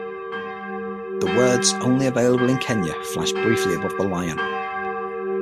The words "Only Available in Kenya" flash briefly above the lion.